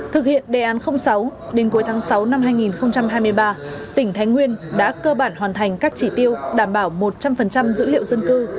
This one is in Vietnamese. thực hiện đề án sáu đến cuối tháng sáu năm hai nghìn hai mươi ba tỉnh thái nguyên đã cơ bản hoàn thành các chỉ tiêu đảm bảo một trăm linh dữ liệu dân cư